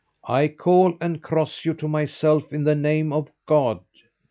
"I call and cross you to myself, in the name of God!"